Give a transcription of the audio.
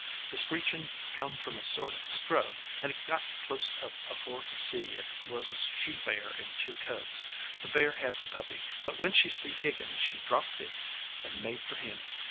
The screechin' come from a sort o' scrub, and he got clost up afore he see it was a she bear and two cubs. The bear had the puppy, but when she see Higgins she dropped hit and made for him.